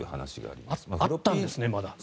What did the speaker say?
あったんですね、まだ。